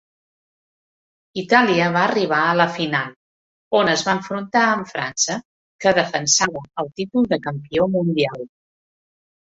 Itàlia va arribar a la final, on es va enfrontar amb França, que defensava el títol de campió mundial.